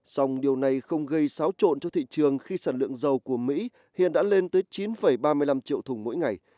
song điều này không gây xáo trộn cho thị trường khi sản lượng dầu của mỹ hiện đã lên tới chín ba mươi năm triệu thùng mỗi ngày